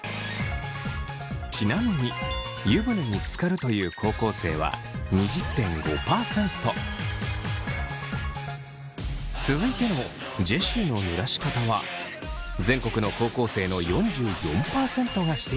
ちなみに湯船につかるという高校生は続いてのジェシーのぬらし方は全国の高校生の４４％がしているやり方です。